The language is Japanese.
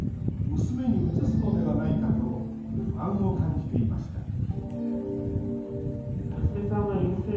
娘にうつすのではないかと不安を感じていました